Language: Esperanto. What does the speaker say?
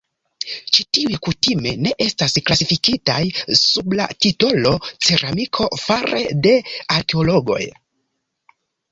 Ĉi tiuj kutime ne estas klasifikitaj sub la titolo "ceramiko" fare de arkeologoj.